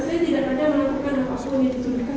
saya tidak pernah melakukan apapun yang ditunjukkan